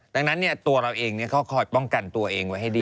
ดังนั้นตัวเราเองก็คอยป้องกันตัวเองไว้ให้ดี